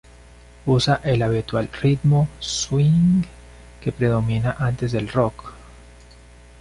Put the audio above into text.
Usa el habitual ritmo swing que predominaba antes del rock.